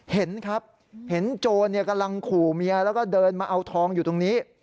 เห็นครับเห็นโจรกำลังขู่เมียแล้วก็เดินมาเอาทองอยู่ตรงนี้